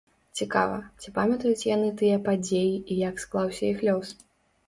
Цікава, ці памятаюць яны тыя падзеі і як склаўся іх лёс?